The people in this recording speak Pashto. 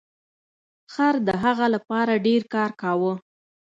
خر د هغه لپاره ډیر کار کاوه.